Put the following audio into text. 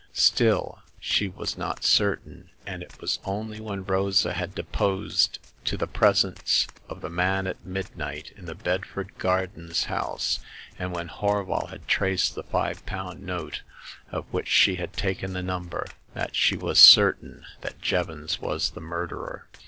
Still, she was not certain ; and it was only when Rosa had deposed to the presence of the man at midnight in the Bedford Gardens house, and when Horval had traced the five pound note of which she had taken the number, that she was certain that Jevons was the murderer.